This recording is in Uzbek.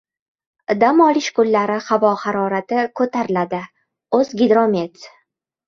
Dam olish kunlari havo harorati ko‘tariladi - «O‘zgidromet»